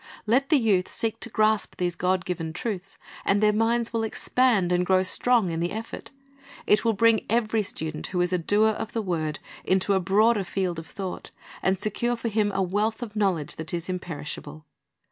Let the youth seek to grasp these G o d g i V e n truths, and their minds will expand and grow strong in the effort. It will bring every student who is a doer of the word into a broader field of thought, and secure for him a wealth of knowledge that is imperishable.